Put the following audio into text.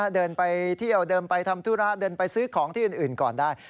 เดินไปเที่ยวเดินไปทำธุระเดินไปซื้อของที่อื่นก่อนได้